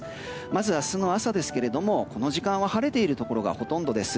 まず明日の朝ですけれどもこの時間は晴れているところがほとんどです。